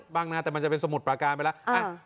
บ้างนะแต่มันจะเป็นสมุทรปราการไปแล้ว